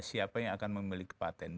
siapa yang akan memiliki patent